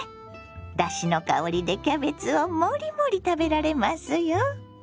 だしの香りでキャベツをもりもり食べられますよ。